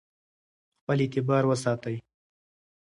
خپل اعتبار وساتئ.